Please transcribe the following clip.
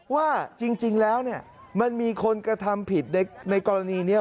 ว่าจริงแล้วเนี่ยมันมีคนกระทำผิดในกรณีนี้